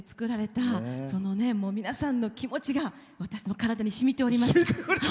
皆さんの気持ちが私の体にしみております。